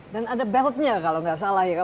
dan ada beltnya kalau nggak salah ya